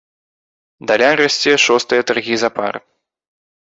Даляр расце шостыя таргі запар.